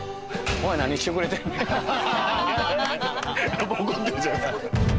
やっぱ怒ってるじゃないですか。